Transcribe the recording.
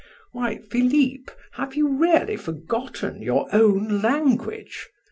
"Why, Philip, have you really forgotten your own language?